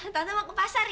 tanda mau ke pasar ya